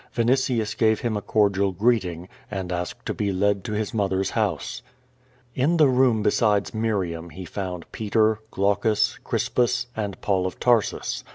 Vinitius gave him a cordial greeting, and asked to be led to his mother's house. In the room besides Miriam he found Peter, Glaucus, Cris pus, and Paul of Tareus.